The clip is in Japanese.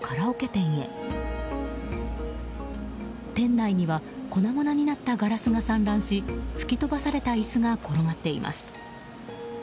店内には粉々になったガラスが散乱し吹き飛ばされた椅子が転がっています。